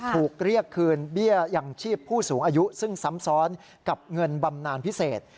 ถูกเรียกคืนเบี้ยยังชีพผู้สูงอายุซึ่งซ้ำซ้อนกับเงินบำนานพิเศษ